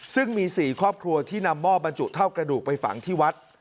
ซึ่งมี๔ครอบครัวที่นำหม้อบรรจุเท่ากระดูกไปฝังที่วัด